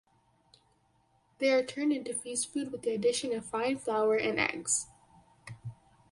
They are turned into feast food with the addition of fine flour and eggs.